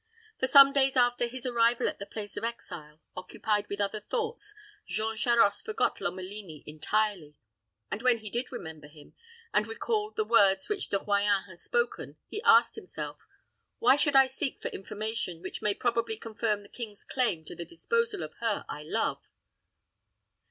For some days after his arrival at his place of exile, occupied with other thoughts, Jean Charost forgot Lomelini entirely; and when he did remember him, and recalled the words which De Royans had spoken, he asked himself, "Why should I seek for information which may probably confirm the king's claim to the disposal of her I love?"